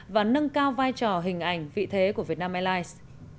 và nâng cao vai trò hình ảnh vị thế của vietnam airlines